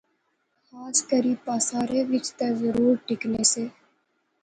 خاص کری پاسارے وچ تہ ضرور ٹکنے سے